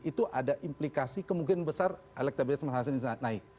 itu ada implikasi kemungkinan besar elektabilitas mas hasan ini sangat naik